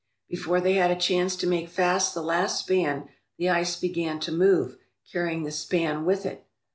Before they had a chance to make fast the last span, the ice began to move, carrying the span with it.